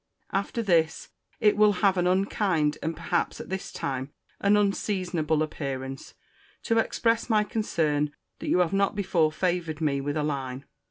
After this, it will have an unkind, and perhaps at this time an unseasonable appearance, to express my concern that you have not before favoured me with a line.